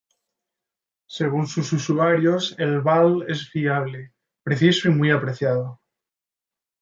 Según sus usuarios, el "Val" es fiable, preciso y muy apreciado.